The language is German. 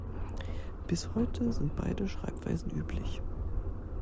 Bis heute sind beide Schreibweisen üblich.